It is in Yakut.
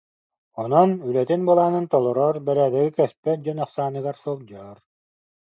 Онон үлэтин былаанын толорор, бэрээдэги кэспэт дьон ахсааныгар сылдьар